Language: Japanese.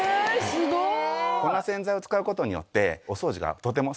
すごい！